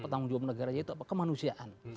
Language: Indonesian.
tanggung jawab negara yaitu kemanusiaan